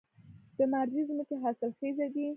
د مارجې ځمکې حاصلخیزه دي